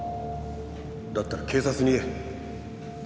だったら警察に言え。